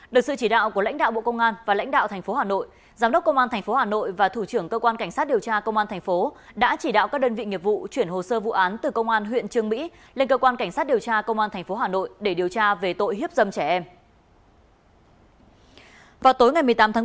được sự chỉ đạo của lãnh đạo bộ công an và lãnh đạo thành phố hà nội giám đốc công an tp hà nội và thủ trưởng cơ quan cảnh sát điều tra công an thành phố đã chỉ đạo các đơn vị nghiệp vụ chuyển hồ sơ vụ án từ công an huyện trương mỹ lên cơ quan cảnh sát điều tra công an tp hà nội để điều tra về tội hiếp dâm trẻ em